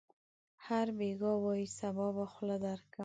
هر بېګا وايي: صبا به خوله درکړم.